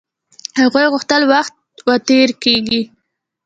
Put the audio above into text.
هغوی غوښتل وخت و تېريږي.